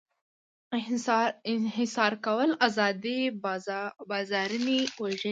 انحصار کول ازاد بازار وژني.